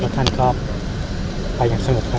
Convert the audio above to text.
ภาษาสนิทยาลัยสุดท้าย